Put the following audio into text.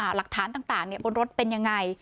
หลักฐานต่างบนรถเป็นยังไง